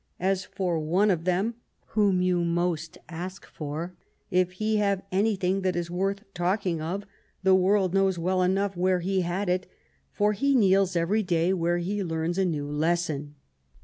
" As for one of them whom you most ask for, if he have anything that is worth talking of, the world knows well enough where he had it ; for he kneels every day where he learns a new lesson."